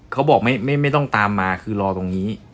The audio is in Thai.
เขาบอกไม่ต้องตามมาคือรอตรงนี้